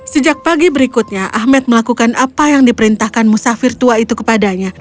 sejak pagi berikutnya ahmed melakukan apa yang diperintahkan musafir tua itu kepadanya